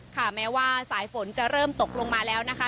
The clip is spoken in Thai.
แม้ว่าสายฝนจะเริ่มตกลงมาแล้วนะคะ